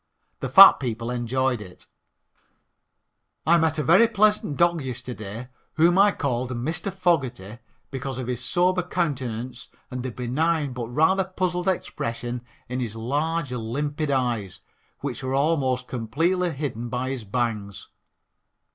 The fat people enjoyed it. June 29th. I met a very pleasant dog yesterday, whom I called Mr. Fogerty because of his sober countenance and the benign but rather puzzled expression in his large, limpid eyes, which were almost completely hidden by his bangs.